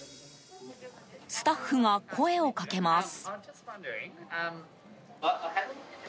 スタッフが声をかけます。